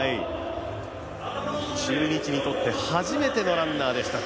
中日にとって、初めてのランナーでした。